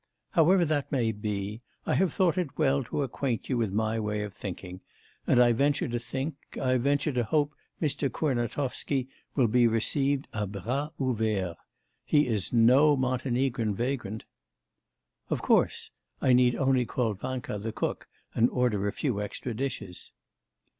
However that may be, I have thought it well to acquaint you with my way of thinking; and I venture to think I venture to hope Mr. Kurnatovsky will be received à bras ouverts. He is no Montenegrin vagrant.' 'Of course; I need only call Vanka the cook and order a few extra dishes.